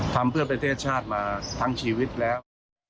ทำเพื่อประเทศชาติมาทั้งชีวิตแล้ว